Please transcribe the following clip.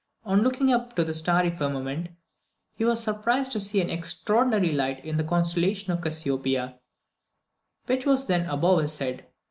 On looking up to the starry firmament he was surprised to see an extraordinary light in the constellation of Cassiopeia, which was then above his head.